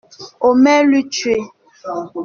Omer l'eût tué.